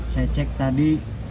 saya cek tadi lima ratus